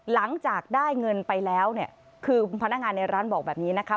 หลังจากได้เงินไปแล้วเนี่ยคือพนักงานในร้านบอกแบบนี้นะคะ